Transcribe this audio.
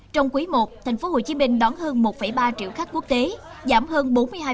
trong quý i tp hcm đón hơn một ba triệu khách quốc tế giảm hơn bốn mươi hai